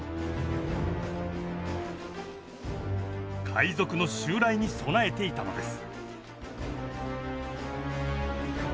海賊の襲来に備えていたのです。